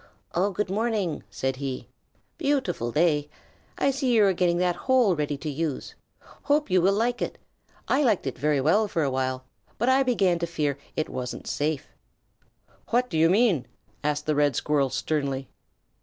"Oh, good morning!" said he. "Beautiful day! I see you are getting that hole ready to use. Hope you will like it. I liked it very well for a while, but I began to fear it wasn't safe." "Wh what do you mean?" asked the Red Squirrel sternly.